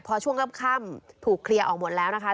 พอช่วงค่ำถูกเคลียร์ออกหมดแล้วนะคะ